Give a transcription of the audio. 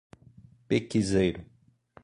Pequizeiro